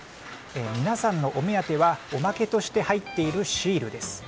皆さんのお目当てはおまけとして入っているシールです。